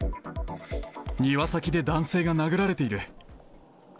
庭先で男性が殴られている。